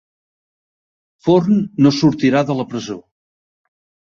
Forn no sortirà de la presó